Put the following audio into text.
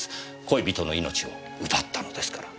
恋人の命を奪ったのですから。